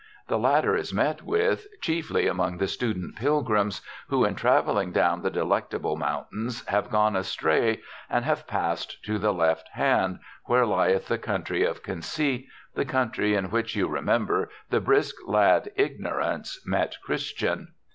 The latter is met with chiefly among the student pilgrims who, in traveling down the Delectable Mountains, have gone astray and have passed to the left hand, where lieth the country of Conceit, the country in which you remember the brisk lad Ignorance met Christian.